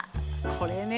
これね。